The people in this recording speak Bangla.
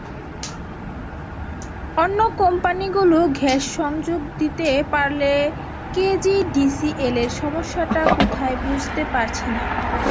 অন্য কোম্পানিগুলো গ্যাস-সংযোগ দিতে পারলে কেজিডিসিএলের সমস্যাটা কোথায় বুঝতে পারছি না।